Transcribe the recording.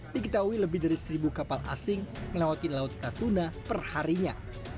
diketahui lebih dari seribu kapal asing melewati laut natuna perharinya